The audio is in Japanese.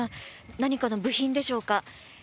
何かの部品でしょうか。